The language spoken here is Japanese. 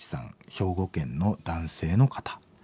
兵庫県の男性の方。